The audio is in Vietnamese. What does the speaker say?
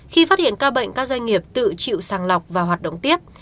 khi phát hiện ca bệnh các doanh nghiệp tự chịu sàng lọc và hoạt động tiếp